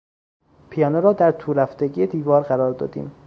پیانو را در تورفتگی دیوار قرار دادیم.